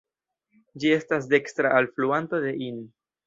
Ĝi estas dekstra alfluanto de Inn.